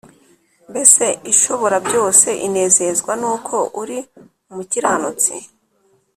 mbese ishoborabyose inezezwa n’uko uri umukiranutsi’